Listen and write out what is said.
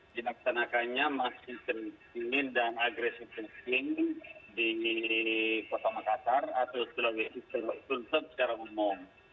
dilaksanakannya masih keringin dan agresif keringin di kota makassar atau sulawesi selatan secara umum